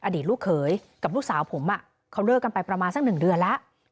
อดีตลูกเขยกับลูกสาวผมเขาเลิกกันไปประมาณสักหนึ่งเดือนแล้ว